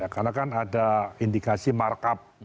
karena kan ada indikasi markup